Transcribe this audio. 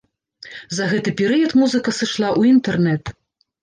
За гэты перыяд музыка сышла ў інтэрнэт.